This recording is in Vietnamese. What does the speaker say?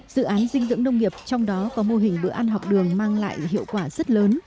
dự án dinh dưỡng nông nghiệp trong đó có mô hình bữa ăn học đường mang lại hiệu quả rất lớn